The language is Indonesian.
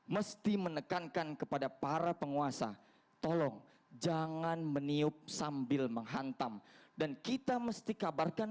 mesti menekankan kepada para penguasa tolong jangan meniup sambil menghantam dan kita mesti kabarkan